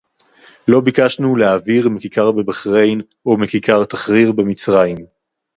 לא ביקשנו להעביר מכיכר בבחריין או מכיכר תחריר במצרים